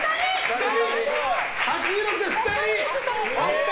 ２人！